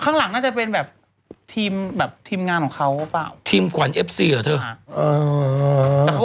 ข้างหลังน่าจะเป็นแบบทีมแบบทีมงานของเขาหรือเปล่าทีมขวัญเอฟซีเหรอเธอฮะ